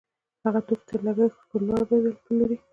هغه توکي تر لګښت په لوړه بیه پلوري